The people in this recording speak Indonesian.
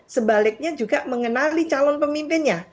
sebaliknya juga mengenali calon pemimpinnya